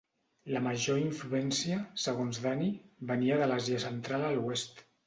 La major influència, segons Dani, venia de l'Àsia Central a l'oest.